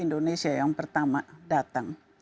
indonesia yang pertama datang